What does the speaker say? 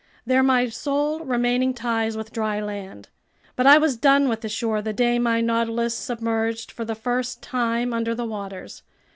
They're my sole remaining ties with dry land. But I was done with the shore the day my Nautilus submerged for the first time under the waters.